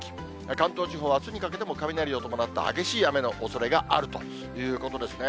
関東地方、あすにかけても雷を伴った激しい雨のおそれがあるということですね。